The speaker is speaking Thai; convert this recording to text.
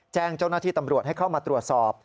แจ้งเจ้าหน้าที่ตำรวจให้เข้ามาตรวจสอบ